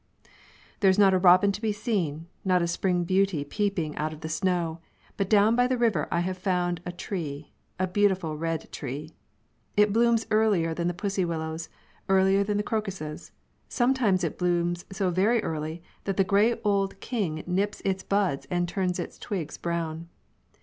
There's not a robin to be seen, not a spring beauty peeping out of the snow, but down by the river I have found a tree, a beautiful red tree. It blooms earlier than the pussy willows, earlier than the crocuses. Sometimes it blooms so very early that the gray old king nips its buds and turns its twigs brown.